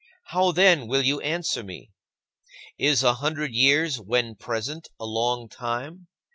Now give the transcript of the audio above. How, then, will you answer me? Is a hundred years when present a long time?